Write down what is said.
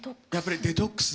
デトックス。